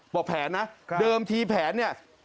บอกแผนนะเดิมทีแผนเนี่ย